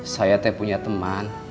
saya punya teman